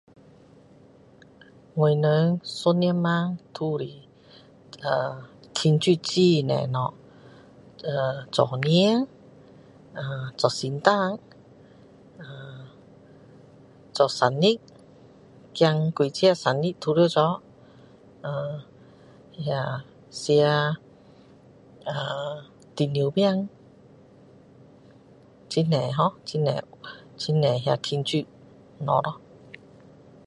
我们一年都是庆祝很多东西新年啊做圣诞啊做生日孩子几个生日都要做呃那吃中秋饼很多ho很多那庆祝东西咯